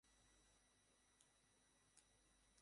সে আমাকে না করে দিয়েছিল।